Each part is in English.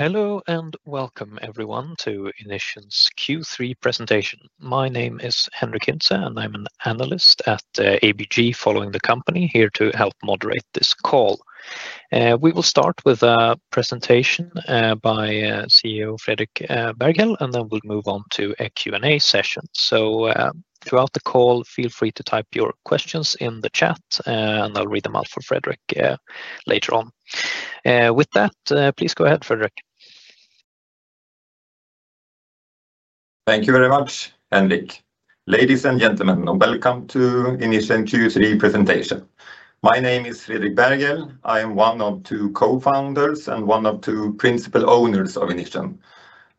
Hello and welcome, everyone, to Inission's Q3 presentation. My name is Henric Hintze, and I'm an analyst at ABG Sundal Collier following the company, here to help moderate this call. We will start with a presentation by CEO Fredrik Berghel, and then we'll move on to a Q&A session. Throughout the call, feel free to type your questions in the chat, and I'll read them out for Fredrik later on. With that, please go ahead, Fredrik. Thank you very much, Henric. Ladies and gentlemen, welcome to Inission Q3 presentation. My name is Fredrik Berghel. I am one of two co-founders and one of two principal owners of Inission.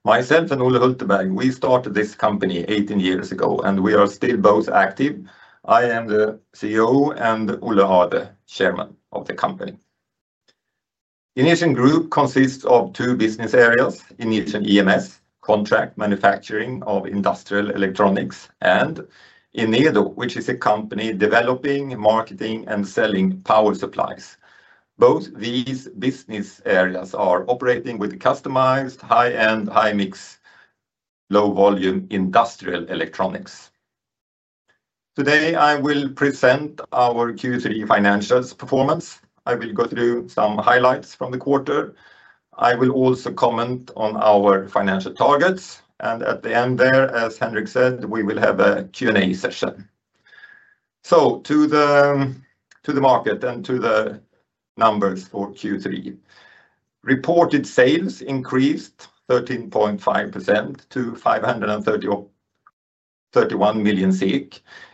Myself and Olle Hulteberg started this company 18 years ago, and we are still both active. I am the CEO, and Ulla is the chairman of the company. Inission Group consists of two business areas: Inission EMS, contract manufacturing of industrial electronics, and Enedo, which is a company developing, marketing, and selling power supplies. Both these business areas are operating with customized high-end, high-mix, low-volume industrial electronics. Today, I will present our Q3 financials performance. I will go through some highlights from the quarter. I will also comment on our financial targets. At the end there, as Henric said, we will have a Q&A session. To the market and to the numbers for Q3. Reported sales increased 13.5% to 531 million.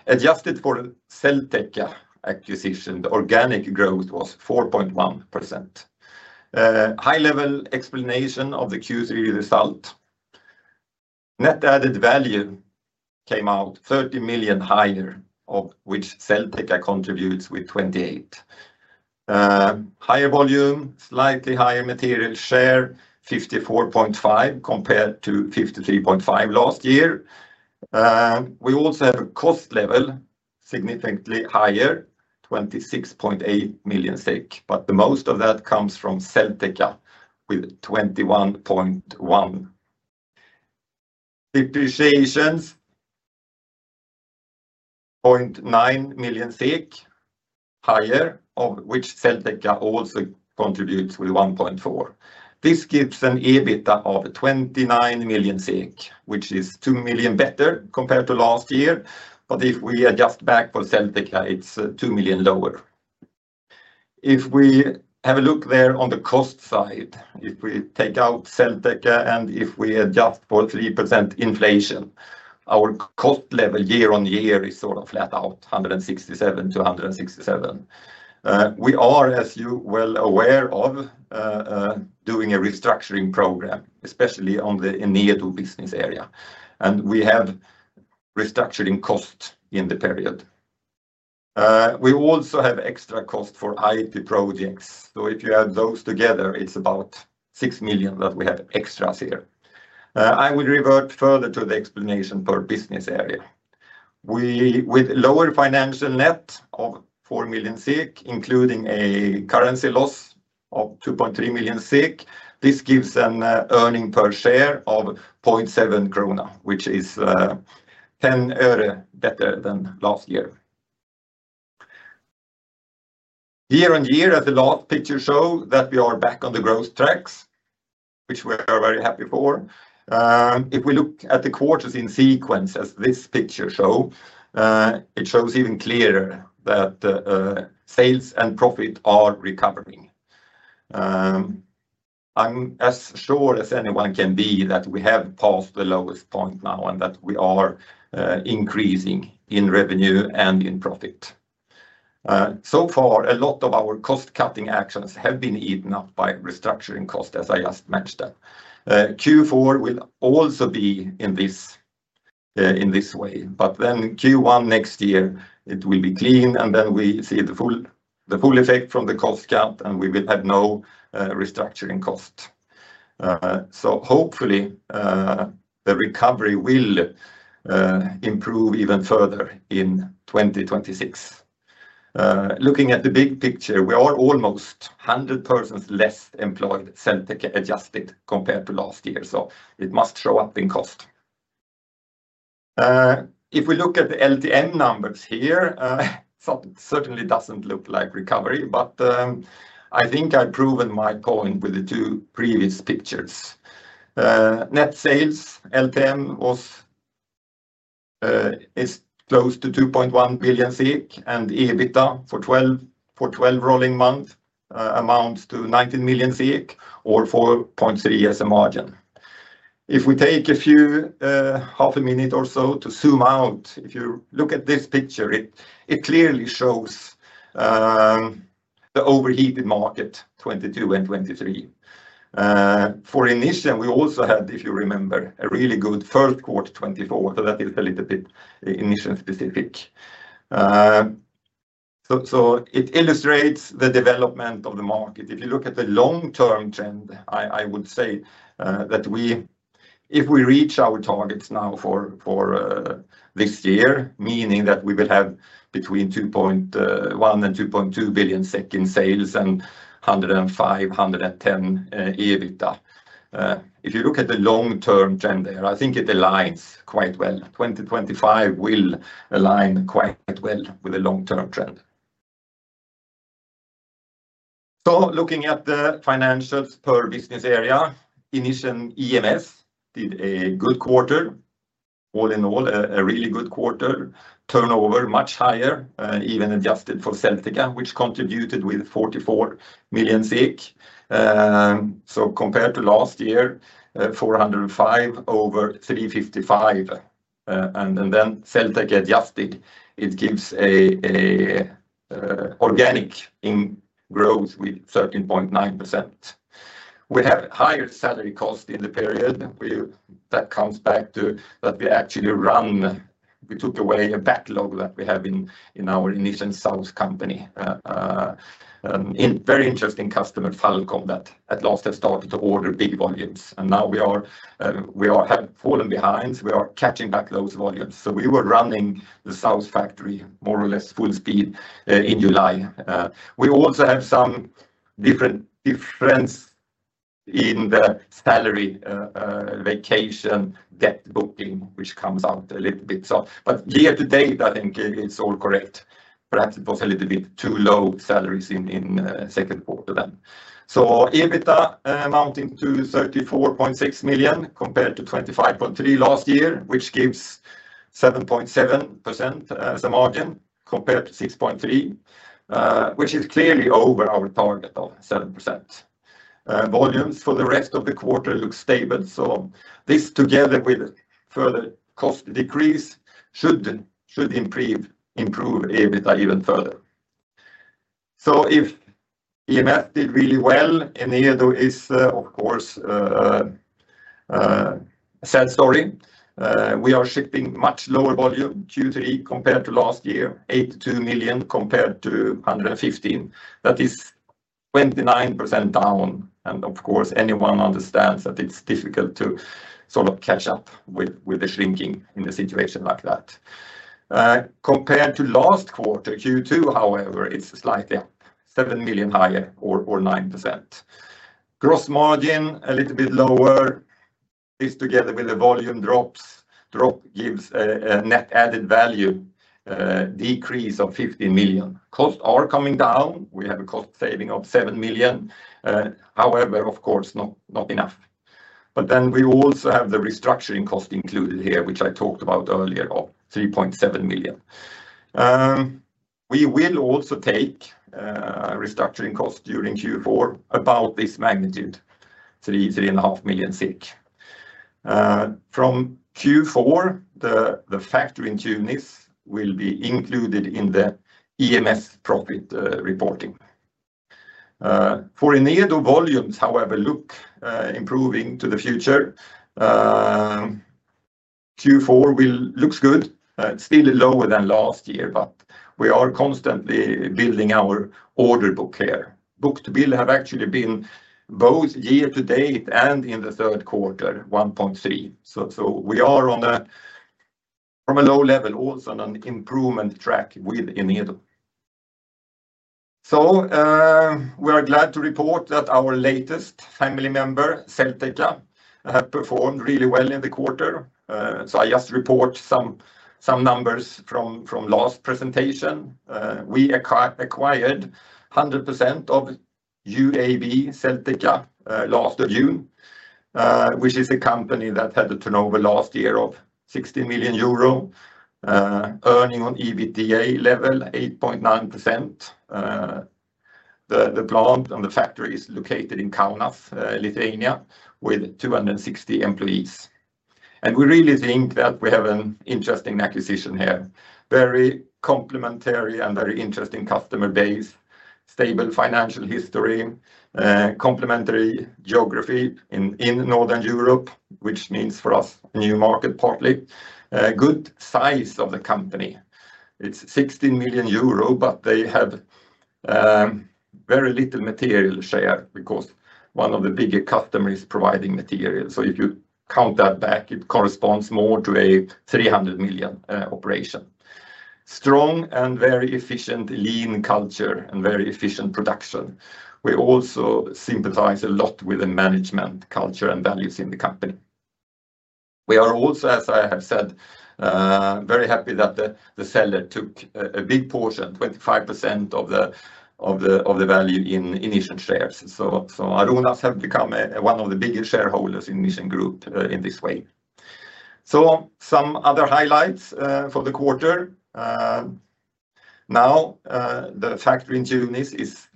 Adjusted for the Selteka acquisition, the organic growth was 4.1%. High-level explanation of the Q3 result. Net added value came out 30 million higher, of which Selteka contributes with 28. Higher volume, slightly higher material share, 54.5% compared to 53.5% last year. We also have a cost level significantly higher, 26.8 million, but most of that comes from Selteka with 21.1. Depreciations, 0.9 million higher, of which Selteka also contributes with 1.4. This gives an EBITDA of 29 million SEK, which is 2 million better compared to last year. If we adjust back for Selteka, it's 2 million lower. If we have a look there on the cost side, if we take out Selteka and if we adjust for 3% inflation, our cost level year on year is sort of flat out, 167 to 167. We are, as you well aware, of doing a restructuring program, especially on the Enedo business area. We have restructuring costs in the period. We also have extra costs for IP projects. If you add those together, it is about 6 million that we have extras here. I will revert further to the explanation per business area. With a lower financial net of 4 million, including a currency loss of 2.3 million, this gives an earning per share of 0.7 krona, which is 0.10 euro better than last year. Year on year, as the last picture shows, we are back on the growth tracks, which we are very happy for. If we look at the quarters in sequence, as this picture shows, it shows even clearer that sales and profit are recovering. I'm as sure as anyone can be that we have passed the lowest point now and that we are increasing in revenue and in profit. So far, a lot of our cost-cutting actions have been eaten up by restructuring costs, as I just mentioned. Q4 will also be in this way. But then Q1 next year, it will be clean, and then we see the full effect from the cost cut, and we will have no restructuring cost. So hopefully the recovery will improve even further in 2026. Looking at the big picture, we are almost 100 persons less employed, Selteka adjusted, compared to last year. So it must show up in cost. If we look at the LTM numbers here, it certainly doesn't look like recovery, but I think I've proven my point with the two previous pictures. Net sales LTM was close to 2.1 billion, and EBITDA for 12 rolling months amounts to 19 million or 4.3% as a margin. If we take a few, half a minute or so to zoom out, if you look at this picture, it clearly shows the overheated market, 2022 and 2023. For Inission, we also had, if you remember, a really good first quarter 2024, so that is a little bit Inission specific. It illustrates the development of the market. If you look at the long-term trend, I would say that if we reach our targets now for this year, meaning that we will have between 2.1 billion and 2.2 billion in sales and 105 million-110 million EBITDA. If you look at the long-term trend there, I think it aligns quite well. 2025 will align quite well with the long-term trend. Looking at the financials per business area, Inission EMS did a good quarter. All in all, a really good quarter. Turnover much higher, even adjusted for Selteka, which contributed with 44 million. Compared to last year, 405 over 355. Then Selteka adjusted, it gives an organic growth with 13.9%. We have higher salary cost in the period. That comes back to that we actually ran, we took away a backlog that we have in our Inission South company. A very interesting customer, Falcom, that at last have started to order big volumes. Now we are falling behind. We are catching back those volumes. We were running the South factory more or less full speed in July. We also have some differences in the salary vacation debt booking, which comes out a little bit. Year to date, I think it's all correct. Perhaps it was a little bit too low salaries in the second quarter then. EBITDA amounting to 34.6 million compared to 25.3 million last year, which gives 7.7% as a margin compared to 6.3%. Which is clearly over our target of 7%. Volumes for the rest of the quarter look stable. This together with further cost decrease should improve EBITDA even further. If EMS did really well, Enedo is, of course, a sad story. We are shipping much lower volume Q3 compared to last year, 82 million compared to 115 million. That is 29% down. Of course, anyone understands that it is difficult to sort of catch up with the shrinking in the situation like that. Compared to last quarter, Q2, however, it is slightly up, 7 million higher or 9%. Gross margin a little bit lower. This together with the volume drops gives a net added value. Decrease of 15 million. Costs are coming down. We have a cost saving of 7 million. However, of course, not enough. We also have the restructuring cost included here, which I talked about earlier, of 3.7 million. We will also take restructuring costs during Q4 about this magnitude, 3 million-3.5 million. From Q4, the factory in Tunis will be included in the EMS profit reporting. For Enedo volumes, however, look improving to the future. Q4 looks good. It is still lower than last year, but we are constantly building our order book here. Book to bill have actually been both year to date and in the third quarter, 1.3. We are on a, from a low level, also an improvement track with Enedo. We are glad to report that our latest family member, Selteka, have performed really well in the quarter. I just report some numbers from last presentation. We acquired 100% of UAB Selteka last June, which is a company that had a turnover last year of 16 million euro, earning on EBITDA level, 8.9%. The plant and the factory is located in Kaunas, Lithuania, with 260 employees. We really think that we have an interesting acquisition here. Very complementary and very interesting customer base, stable financial history, complementary geography in Northern Europe, which means for us a new market partly, good size of the company. It is 16 million euro, but they have very little material share because one of the bigger customers is providing material. If you count that back, it corresponds more to a 300 million operation. Strong and very efficient lean culture and very efficient production. We also sympathize a lot with the management culture and values in the company. We are also, as I have said. Very happy that the seller took a big portion, 25% of the value in Inission shares. So Arunas have become one of the biggest shareholders in Inission Group in this way. Some other highlights for the quarter. Now, the factory in Tunis is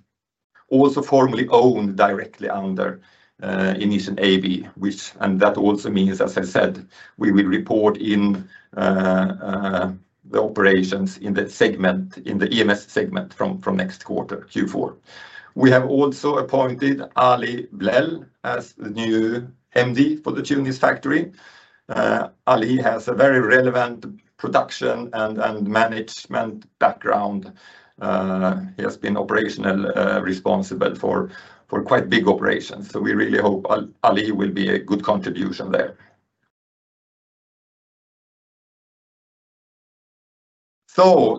also formally owned directly under Inission AB, which, and that also means, as I said, we will report in the operations in the segment, in the EMS segment from next quarter, Q4. We have also appointed Ali Blel as the new MD for the Tunis factory. Ali has a very relevant production and management background. He has been operational responsible for quite big operations. We really hope Ali will be a good contribution there.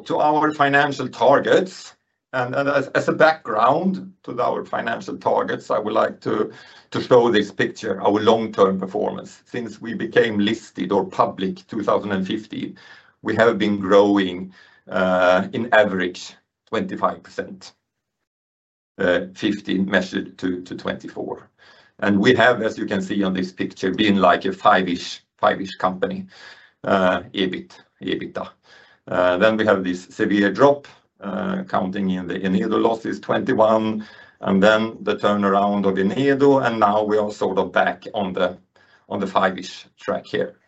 To our financial targets, and as a background to our financial targets, I would like to show this picture, our long-term performance. Since we became listed or public in 2015, we have been growing. In average 25%. 2015 measured to 2024. And we have, as you can see on this picture, been like a 5-ish company. EBITDA. Then we have this severe drop. Counting in the Enedo losses, 2021, and then the turnaround of Enedo, and now we are sort of back on the 5-ish track here.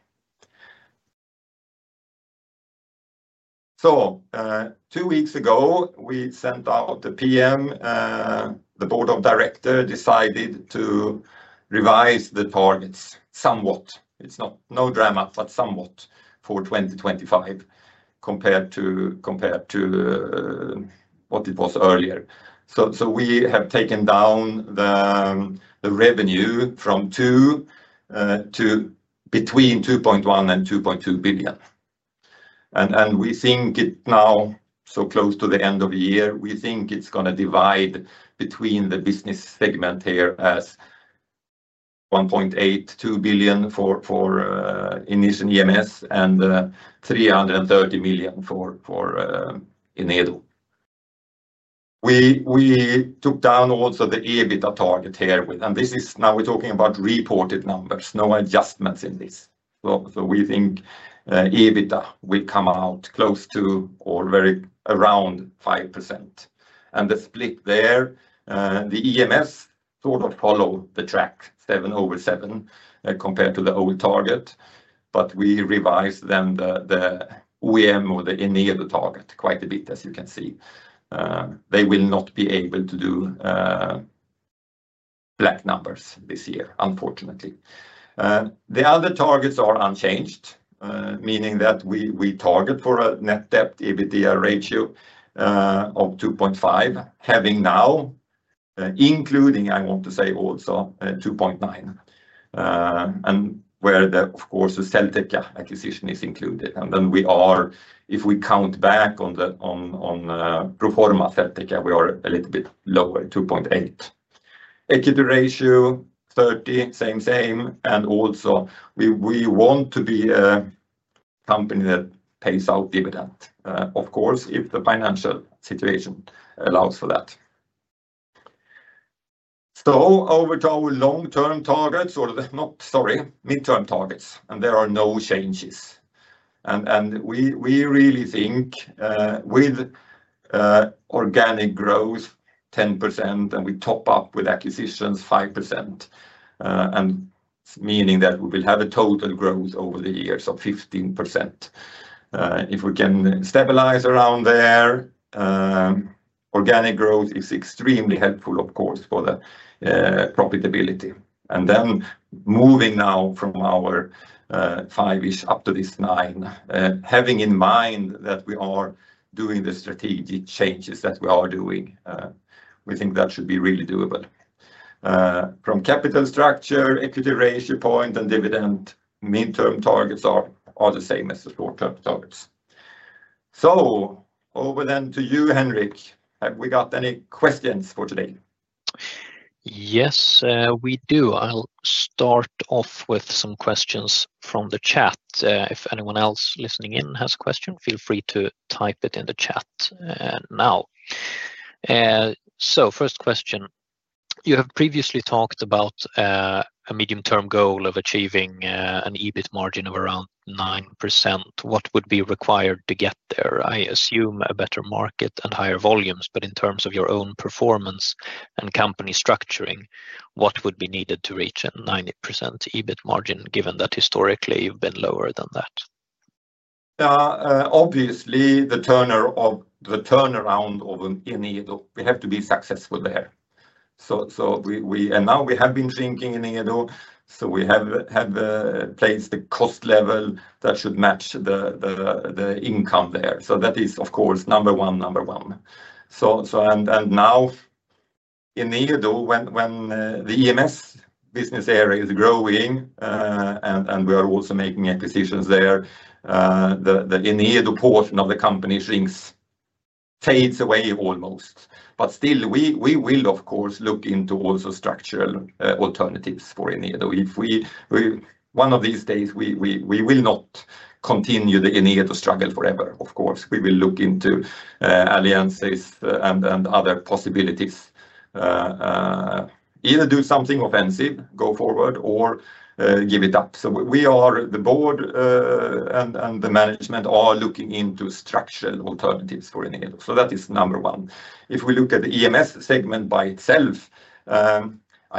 Two weeks ago, we sent out the PM. The board of directors decided to revise the targets somewhat. It's not no drama, but somewhat for 2025. Compared to what it was earlier. We have taken down the revenue from between 2.1 billion and 2.2 billion. We think it now, so close to the end of the year, we think it's going to divide between the business segment here as 1.8 billion-2 billion for Inission EMS and 330 million for Enedo. We took down also the EBITDA target here, and this is now we're talking about reported numbers, no adjustments in this. So we think EBITDA will come out close to or very around 5%. And the split there, the EMS sort of followed the track, 7 over 7 compared to the old target, but we revised then the Enedo target quite a bit, as you can see. They will not be able to do black numbers this year, unfortunately. The other targets are unchanged, meaning that we target for a net debt EBITDA ratio of 2.5, having now including, I want to say, also 2.9. And where the, of course, the Selteka acquisition is included. If we count back on proforma Selteka, we are a little bit lower, 2.8. Equity ratio, 30, same, same. And also, we want to be a. Company that pays out dividend, of course, if the financial situation allows for that. Over to our long-term targets, or not, sorry, midterm targets, and there are no changes. We really think with organic growth, 10%, and we top up with acquisitions, 5%, meaning that we will have a total growth over the years of 15% if we can stabilize around there. Organic growth is extremely helpful, of course, for the profitability. Then moving now from our 5-ish up to this 9, having in mind that we are doing the strategic changes that we are doing, we think that should be really doable. From capital structure, equity ratio point, and dividend, midterm targets are the same as the short-term targets. Over to you, Henric, have we got any questions for today? Yes, we do. I'll start off with some questions from the chat. If anyone else listening in has a question, feel free to type it in the chat now. First question. You have previously talked about a medium-term goal of achieving an EBIT margin of around 9%. What would be required to get there? I assume a better market and higher volumes, but in terms of your own performance and company structuring, what would be needed to reach a 9% EBIT margin, given that historically you have been lower than that? Obviously, the turnaround of Enedo, we have to be successful there. Obviously, we have been thinking in Enedo, so we have placed a cost level that should match the income there. That is, of course, number one, number one. In Enedo, when the EMS business area is growing and we are also making acquisitions there, the Enedo portion of the company shrinks, fades away almost. Still, we will, of course, look into also structural alternatives for Enedo. One of these days, we will not continue the Enedo struggle forever, of course. We will look into alliances and other possibilities. Either do something offensive, go forward, or give it up. We are, the board and the management are looking into structural alternatives for Enedo. That is number one. If we look at the EMS segment by itself, I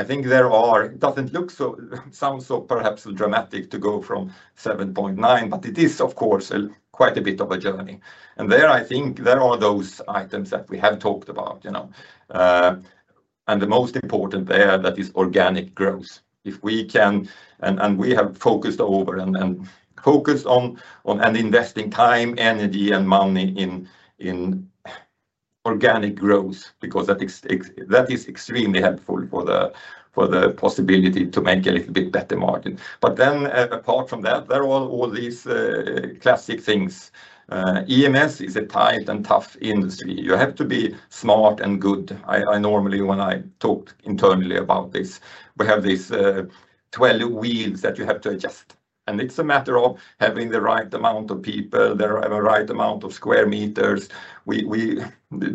think there are, it does not look so, sounds so perhaps dramatic to go from 7.9, but it is, of course, quite a bit of a journey. There, I think, there are those items that we have talked about. The most important there, that is organic growth. If we can, and we have focused over and focused on and investing time, energy, and money in organic growth, because that is extremely helpful for the possibility to make a little bit better margin. Apart from that, there are all these classic things. EMS is a tight and tough industry. You have to be smart and good. I normally, when I talk internally about this, we have these 12 wheels that you have to adjust. It is a matter of having the right amount of people, the right amount of square meters. We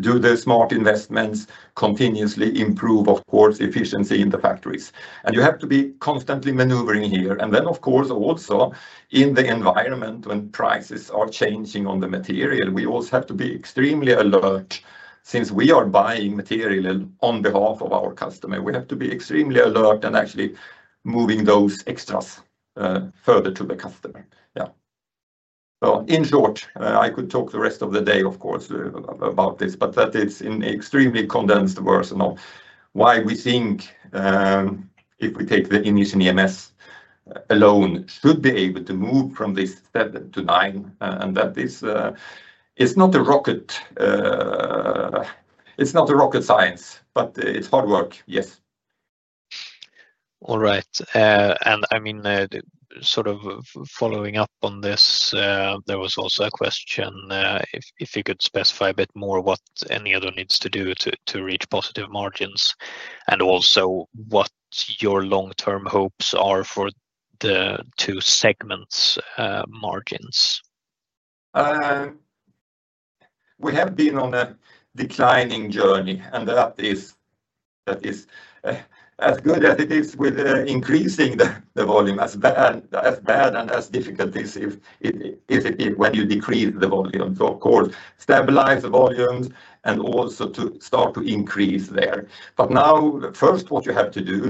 do the smart investments, continuously improve, of course, efficiency in the factories. You have to be constantly maneuvering here. Of course, also in the environment when prices are changing on the material, we also have to be extremely alert since we are buying material on behalf of our customer. We have to be extremely alert and actually moving those extras further to the customer. Yeah. In short, I could talk the rest of the day, of course, about this, but that is an extremely condensed version of why we think. If we take the Inission EMS alone, should be able to move from this 7-9. That is not a rocket. It's not rocket science, but it's hard work, yes. All right. I mean, sort of following up on this, there was also a question if you could specify a bit more what Enedo needs to do to reach positive margins and also what your long-term hopes are for the two segments. Margins. We have been on a declining journey, and that is. As good as it is with increasing the volume, as bad and as difficult is when you decrease the volume. Of course, stabilize the volumes and also to start to increase there. Now, first, what you have to do,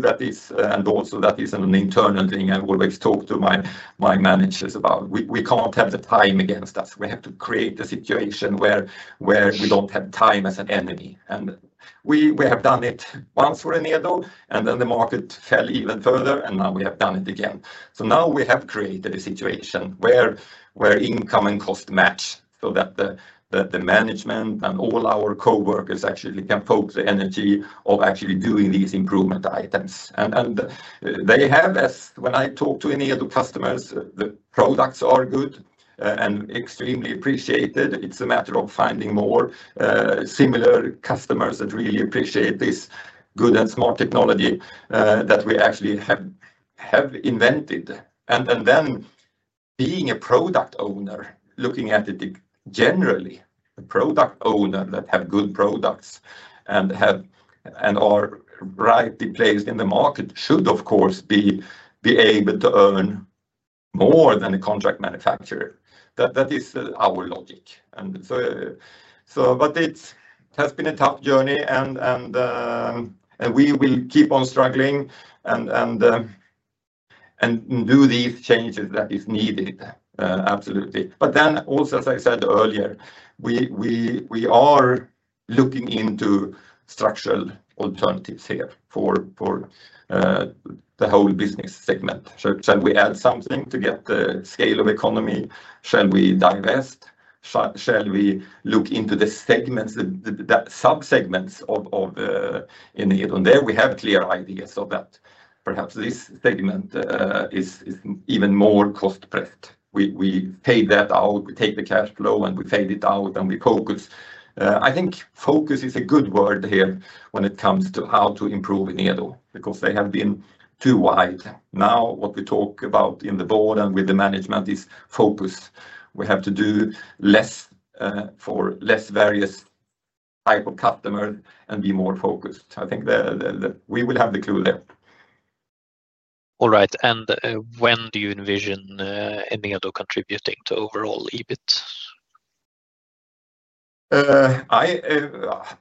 and also that is an internal thing I always talk to my managers about, we can't have the time against us. We have to create a situation where we don't have time as an enemy. We have done it once for Enedo, and then the market fell even further, and now we have done it again. We have created a situation where income and cost match so that the management and all our coworkers actually can focus the energy of actually doing these improvement items. When I talk to Enedo customers, the products are good and extremely appreciated. It's a matter of finding more similar customers that really appreciate this good and smart technology that we actually have invented. Being a product owner, looking at it generally, a product owner that has good products and are rightly placed in the market should, of course, be able to earn more than a contract manufacturer. That is our logic. It has been a tough journey, and we will keep on struggling and do these changes that are needed, absolutely. As I said earlier, we are looking into structural alternatives here for the whole business segment. Shall we add something to get the scale of the economy? Shall we divest? Shall we look into the segments, the sub-segments of Enedo? There we have clear ideas of that. Perhaps this segment is even more cost-pressed. We fade that out, we take the cash flow, and we fade it out, and we focus. I think focus is a good word here when it comes to how to improve Enedo, because they have been too wide. Now, what we talk about in the board and with the management is focus. We have to do less, for less various type of customers, and be more focused. I think we will have the clue there. All right. When do you envision Enedo contributing to overall EBIT?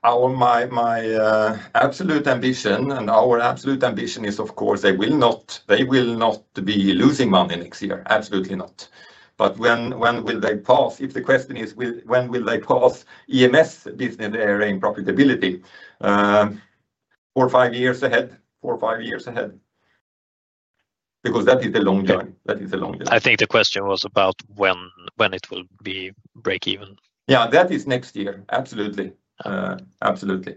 Our absolute ambition, and our absolute ambition is, of course, they will not be losing money next year. Absolutely not. When will they pass? If the question is when will they pass EMS business area in profitability, four-five years ahead. Four-five years ahead, because that is the long term. That is the long term. I think the question was about when it will be break-even. Yeah, that is next year. Absolutely. Absolutely.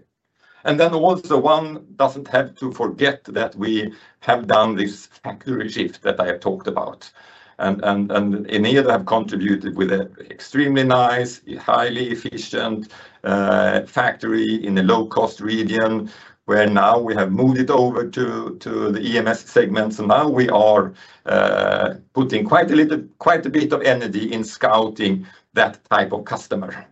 One does not have to forget that we have done this factory shift that I have talked about. Enedo have contributed with an extremely nice, highly efficient factory in a low-cost region where now we have moved it over to the EMS segment. We are putting quite a bit of energy in scouting that type of customer.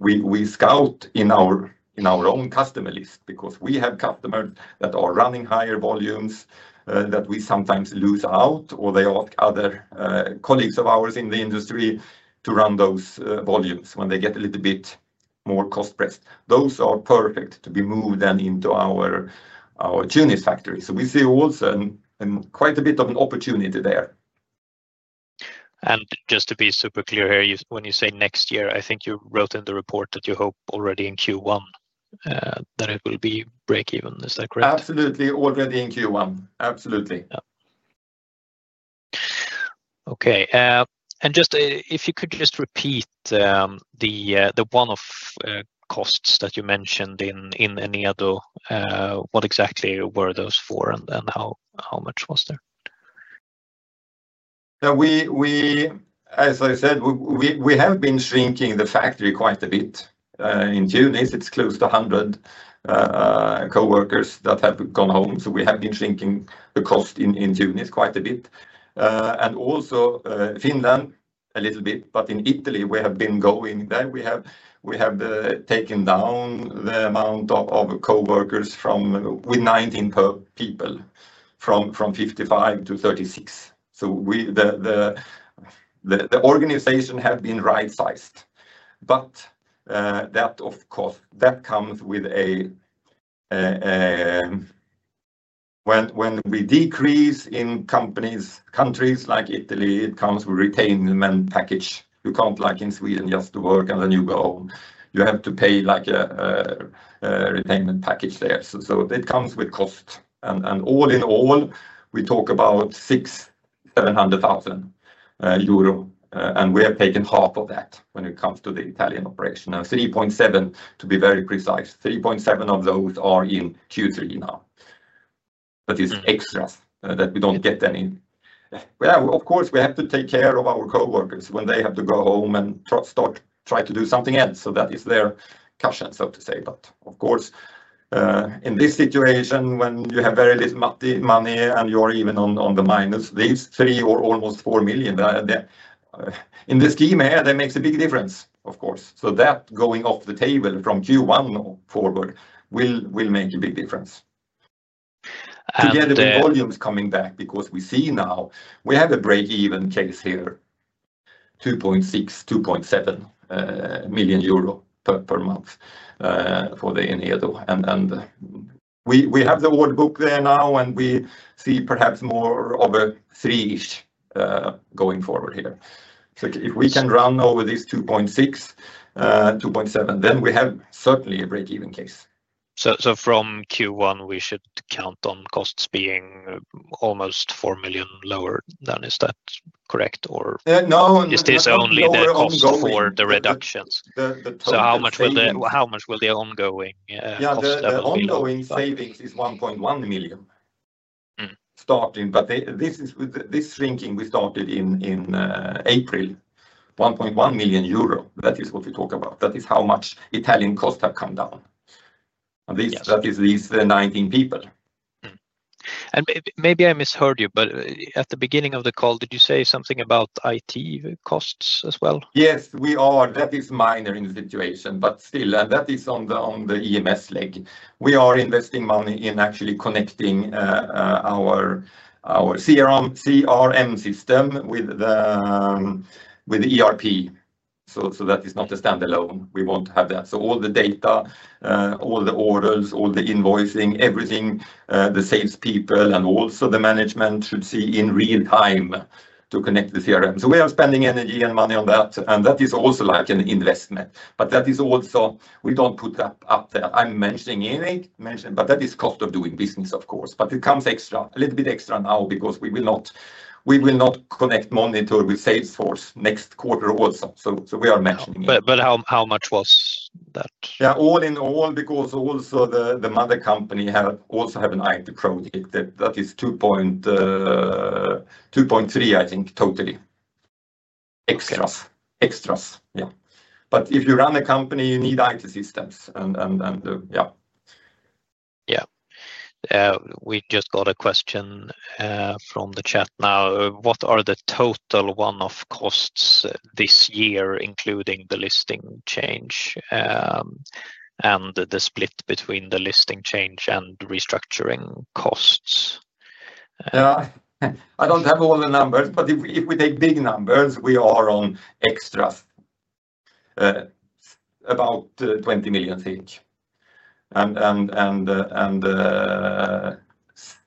We scout in our own customer list because we have customers that are running higher volumes that we sometimes lose out, or they ask other colleagues of ours in the industry to run those volumes when they get a little bit more cost-pressed. Those are perfect to be moved then into our Tunis factory. We see also quite a bit of an opportunity there. Just to be super clear here, when you say next year, I think you wrote in the report that you hope already in Q1 that it will be break-even. Is that correct? Absolutely. Already in Q1. Absolutely. Okay. If you could just repeat the one-off costs that you mentioned in Enedo, what exactly were those for and how much was there? As I said, we have been shrinking the factory quite a bit. In Tunis, it is close to 100 coworkers that have gone home. We have been shrinking the cost in Tunis quite a bit, and also Finland a little bit, but in Italy, we have been going there. We have taken down the amount of coworkers from 55 to 36, with 19 people. The organization has been right-sized. That, of course, comes with a. When we decrease in countries like Italy, it comes with a retainment package. You cannot like in Sweden just work and then you go. You have to pay like a retainment package there. It comes with cost. All in all, we talk about 6,700,000 euro. We have taken half of that when it comes to the Italian operation. 3.7 million, to be very precise, 3.7 million of those are in Q3 now. That is extras that we do not get any. Yeah, of course, we have to take care of our coworkers when they have to go home and try to do something else. That is their cushion, so to say. Of course, in this situation, when you have very little money and you are even on the minus, these three or almost four million in the scheme here, that makes a big difference, of course. That going off the table from Q1 forward will make a big difference. Together with volumes coming back, because we see now we have a break-even case here. 2.6 million, 2.7 million euro per month for Enedo. We have the order book there now, and we see perhaps more of a EUR 3 million-ish going forward here. If we can run over this 2.6 million-2.7 million, then we have certainly a break-even case. From Q1, we should count on costs being almost 4 million lower then. Is that correct? Or is this only the cost for the reductions? How much will the ongoing costs be? Yeah, the ongoing savings is 1.1 million starting. This shrinking we started in April. 1.1 million euro, that is what we talk about. That is how much Italian costs have come down. That is these 19 people. Maybe I misheard you, but at the beginning of the call, did you say something about IT costs as well? Yes, we are. That is minor in the situation, but still, and that is on the EMS leg. We are investing money in actually connecting our CRM system with the ERP. That is not a standalone. We want to have that so all the data, all the orders, all the invoicing, everything, the salespeople, and also the management should see in real time to connect the CRM. We are spending energy and money on that, and that is also like an investment. That is also, we do not put up there. I am mentioning it, but that is cost of doing business, of course. It comes extra, a little bit extra now, because we will not connect monitor with Salesforce next quarter also we are mentioning it. How much was that? All in all, because also the mother company also has an IT project. That is 2.3 million, I think, totally. Extras. Extras. Yeah. If you run a company, you need IT systems. Yeah. We just got a question from the chat now. What are the total one-off costs this year, including the listing change, and the split between the listing change and restructuring costs? I do not have all the numbers, but if we take big numbers, we are on extras, about SEK 20 million, I think.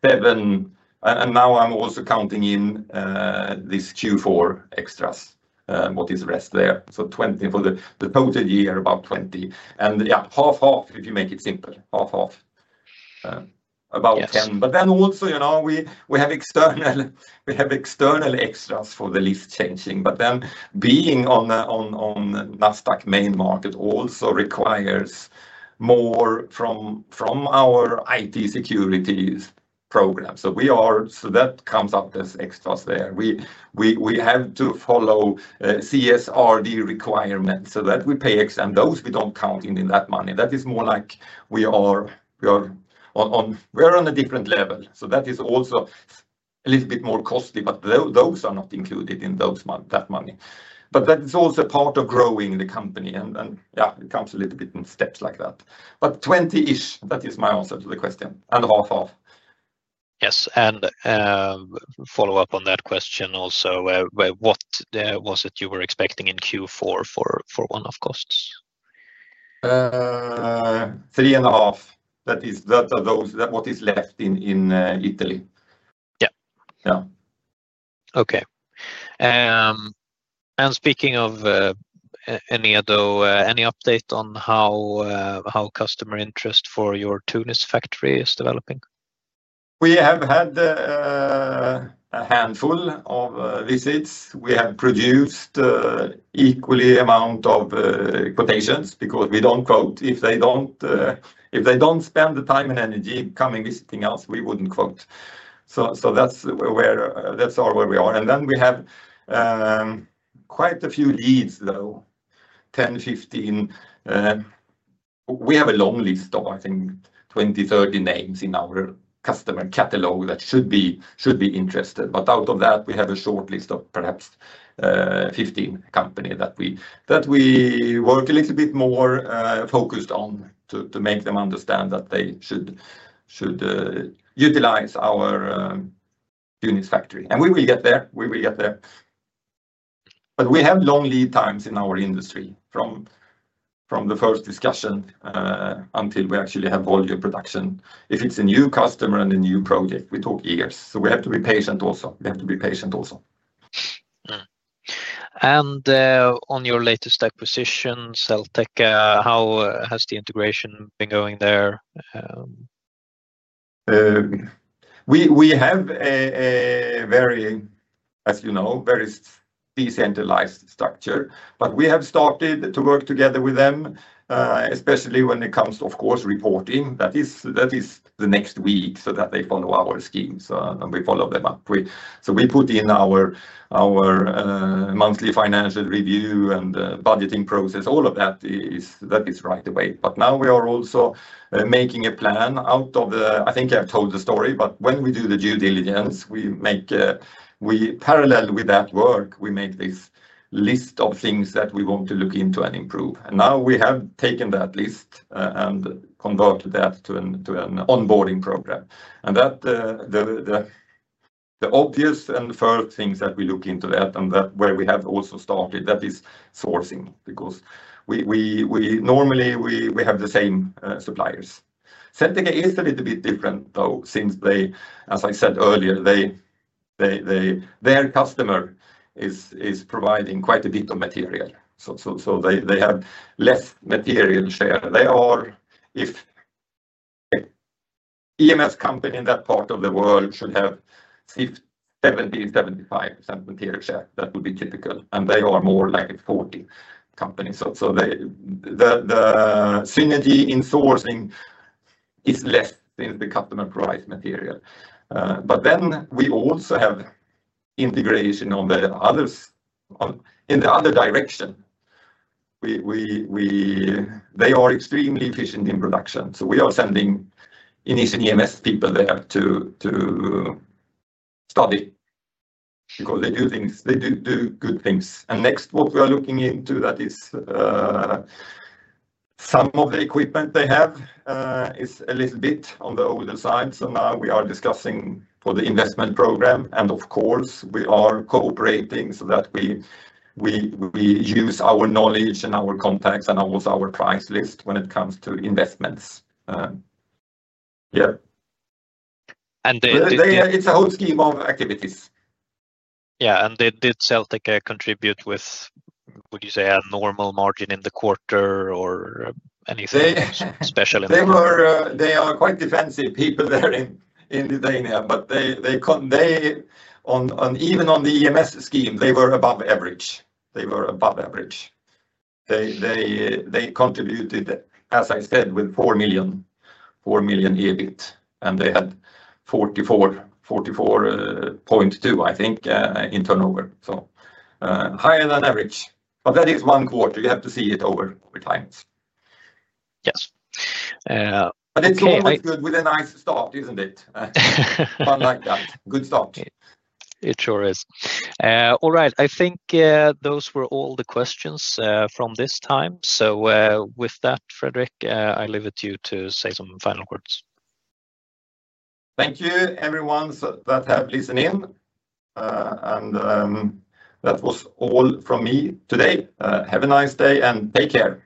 Seven. Now I am also counting in this Q4 extras, what is the rest there. 20 million for the total year, about 20 million. Half-half, if you make it simple. Half-half. About 10 million. Then also, we have external extras for the list changing. Then being on NASDAQ main market also requires more from our IT security program. That comes up as extras there. We have to follow CSRD requirements so that we pay extra. Those we do not count in that money. That is more like we are on a different level. That is also a little bit more costly, but those are not included in that money. That is also part of growing the company. Yeah, it comes a little bit in steps like that. Twenty-ish, that is my answer to the question. Half-half. Yes. Follow-up on that question also. What was it you were expecting in Q4 for one-off costs? Three and a half. That is what is left in Italy. Yeah. Speaking of Enedo, any update on how customer interest for your Tunis factory is developing? We have had a handful of visits. We have produced an equal amount of quotations because we do not quote. If they do not spend the time and energy coming visiting us, we would not quote. That is where we are. We have quite a few leads, though. Ten, fifteen. We have a long list of, I think, 20-30 names in our customer catalog that should be interested. Out of that, we have a short list of perhaps 15 companies that we work a little bit more focused on to make them understand that they should utilize our Tunis factory. We will get there. We will get there. We have long lead times in our industry from the first discussion until we actually have volume production. If it is a new customer and a new project, we talk years. We have to be patient also. We have to be patient also. On your latest acquisition, Selteka, how has the integration been going there? We have a very decentralized structure, but we have started to work together with them, especially when it comes, of course, to reporting. That is the next week so that they follow our schemes and we follow them up. We put in our monthly financial review and budgeting process. All of that is right away. Now we are also making a plan out of the, I think I have told the story, but when we do the due diligence, we, parallel with that work, make this list of things that we want to look into and improve. Now we have taken that list and converted that to an onboarding program. The obvious and first things that we look into and where we have also started, that is sourcing. Because normally we have the same suppliers. Selteka is a little bit different, though, since they, as I said earlier. Their customer is providing quite a bit of material. They have less material share. If an EMS company in that part of the world should have 70%-75% material share, that would be typical. They are more like a 40% company. The synergy in sourcing is less since the customer provides material. We also have integration in the other direction. They are extremely efficient in production. We are sending Inission EMS people there to study because they do good things. Next, what we are looking into is that some of the equipment they have is a little bit on the older side. Now we are discussing for the investment program. Of course, we are cooperating so that we use our knowledge and our contacts and also our price list when it comes to investments. Yeah. And it's a whole scheme of activities. Yeah. And did Selteka contribute with, would you say, a normal margin in the quarter or anything special? They are quite defensive people there in Lithuania, but even on the EMS scheme, they were above average. They were above average. They contributed, as I said, with 4 million EBIT. And they had 44.2 million, I think, in turnover. So higher than average. That is one quarter. You have to see it over time. Yes. It is always good with a nice start, isn't it? One like that. Good start. It sure is. All right. I think those were all the questions from this time. With that, Fredrik, I leave it to you to say some final words. Thank you, everyone that have listened in. That was all from me today. Have a nice day and take care. Bye.